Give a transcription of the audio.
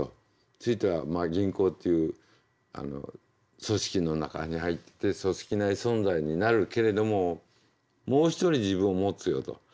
「ついては銀行っていう組織の中に入って組織内存在になるけれどももう一人自分を持つよ」と。